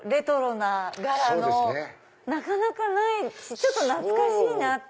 なかなかないし懐かしいなって。